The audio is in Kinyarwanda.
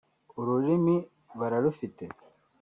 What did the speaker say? ururimi bararufite